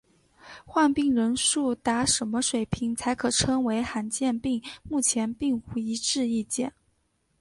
患病人数达什么水平才可称为罕见病目前并无一致意见。